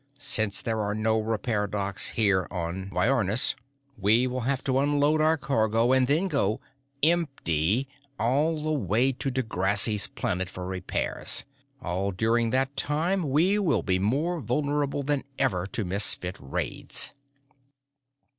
Since there are no repair docks here on Viornis, we will have to unload our cargo and then go empty all the way to D'Graski's Planet for repairs. All during that time, we will be more vulnerable than ever to Misfit raids."